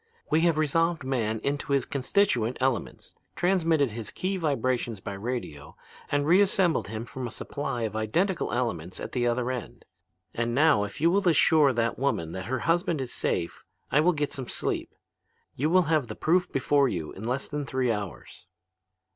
We have resolved man into his constituent elements, transmitted his key vibrations by radio, and reassembled him from a supply of identical elements at the other end. And now, if you will assure that woman that her husband is safe, I will get some sleep. You will have the proof before you in less than three hours.'